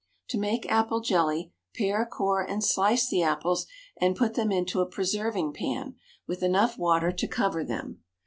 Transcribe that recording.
To make apple jelly, pare, core and slice the apples and put them into a preserving pan with enough water to cover them.